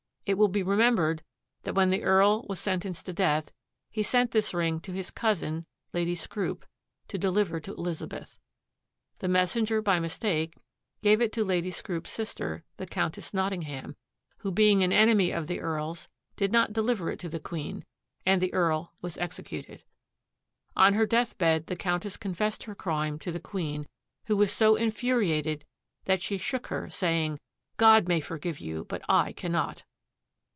It will be remembered that when the Earl was sentenced to death he sent this ring to his cousin, Lady Scroop, to deliver to Elizabeth. The messenger by mistake gave it to Lady Scroop's sister, the Countess Nottingham, who being an enemy of the Earl's did not deliver it to the Queen and the Earl was executed. On her deathbed the Countess confessed her crime to the Queen, who was so infuriated that she shook her, saying "God may forgive you, but I cannot."